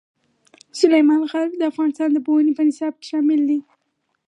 سلیمان غر د افغانستان د پوهنې نصاب کې شامل دي.